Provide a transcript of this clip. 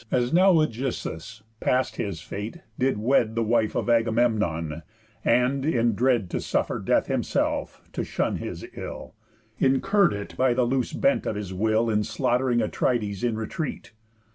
As now Ægisthus, past his fate, did wed The wife of Agamemnon, and (in dread To suffer death himself) to shun his ill, Incurr'd it by the loose bent of his will, In slaughtering Atrides in retreat.